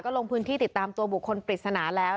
ลงพื้นที่ติดตามตัวบุคคลปริศนาแล้ว